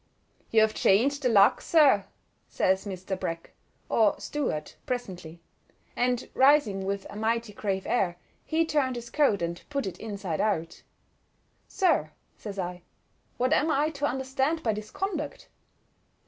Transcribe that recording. "You have changed the luck, sir," says Mr. Breck, or Stuart, presently; and, rising with a mighty grave air, he turned his coat and put it on inside out. "Sir," says I, "what am I to understand by this conduct?"